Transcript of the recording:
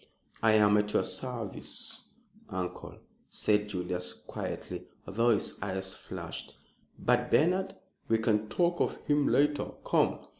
"I am at your service, uncle," said Julius, quietly, although his eyes flashed. "But Bernard?" "We can talk of him later. Come!"